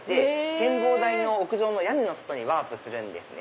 展望台の屋上の屋根の外にワープするんですね。